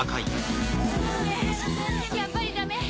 やっぱりダメ。